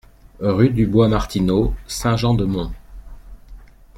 Rue du Bois Martineau, Saint-Jean-de-Monts